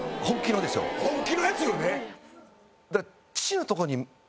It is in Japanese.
本気のやつよね？